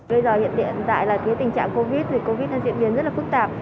bây giờ hiện hiện tại tình trạng covid thì covid đang diễn biến rất là phức tạp